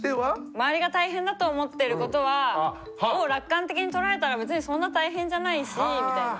周りが大変だと思ってることを楽観的に捉えたら別にそんな大変じゃないしみたいな。